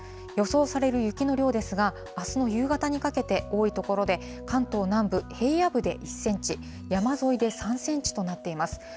予想される雪の量ですが、あすの夕方にかけて、多い所で関東南部平野部で１センチ、山沿いで３センチとなっています。